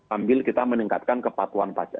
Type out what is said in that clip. ambil kita meningkatkan kepatuhan pajak